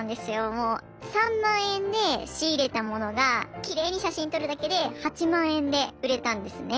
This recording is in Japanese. もう３万円で仕入れた物がきれいに写真撮るだけで８万円で売れたんですね。